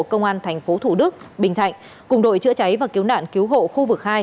công an tp thủ đức bình thạnh cùng đội chữa cháy và cứu nạn cứu hộ khu vực hai